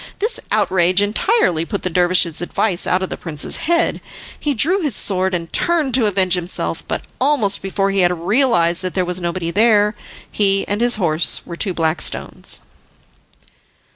This outrage entirely put the dervish's advice out of the prince's head. He drew his sword, and turned to avenge himself, but almost before he had realised that there was nobody there, he and his horse were two black stones.